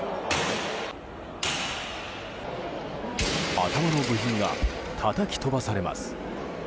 頭の部品がたたき飛ばされます。